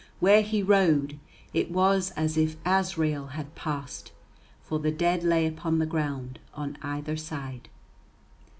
Where he rode, it was as if Azrael had passed, for the dead lay upon the ground on either side.